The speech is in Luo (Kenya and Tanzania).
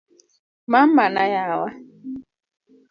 mama na yawa